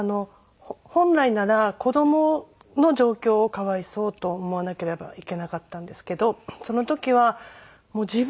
本来なら子供の状況をかわいそうと思わなければいけなかったんですけどその時は自分がかわいそうで。